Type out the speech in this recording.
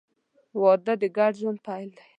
• واده د ګډ ژوند پیل دی.